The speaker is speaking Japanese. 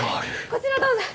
こちらどうぞ。